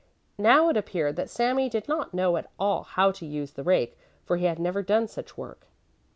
Now it appeared that Sami did not know at all how to use the rake, for he had never done such work.